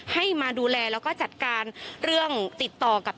ให้มาดูแลแล้วก็จัดการเรื่องติดต่อกับ